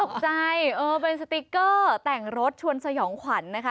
เออเป็นสติ๊กเกอร์แต่งรถชวนสยองขวัญนะคะ